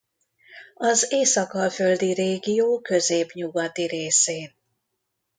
Az észak-alföldi régió közép-nyugati részén.